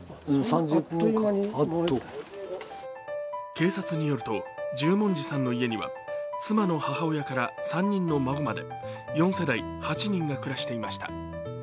警察によると、十文字さんの家には妻の母親から３人の孫まで４世代８人が暮らしていました。